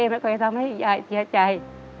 ไม่เคยทำให้ยายเสียใจ